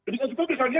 juga juga misalnya